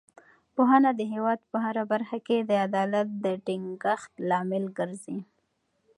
پوهنه د هېواد په هره برخه کې د عدالت د ټینګښت لامل ګرځي.